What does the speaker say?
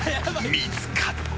［見つかった］